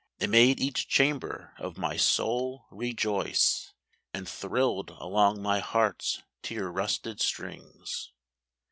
It made each chamber of my soul rejoice And thrilled along my heart's tear rusted strings.